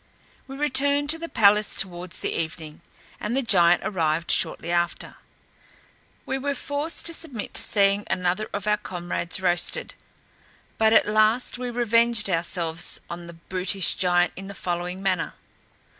We returned to the palace towards the evening, and the giant arrived shortly after. We were forced to submit to seeing another of our comrades roasted. But at last we revenged ourselves on the brutish giant in the following manner.